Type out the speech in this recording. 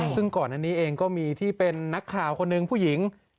ซึ่งก่อนอันนี้เองก็มีที่เป็นนักข่าวคนหนึ่งผู้หญิง